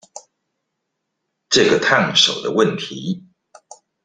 這個燙手的問題